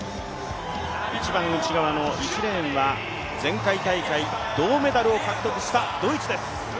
一番内側の１レーンは前回大会銅メダルを獲得したドイツです。